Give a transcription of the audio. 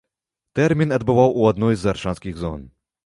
Тэрмін адбываў у адной з аршанскіх зон.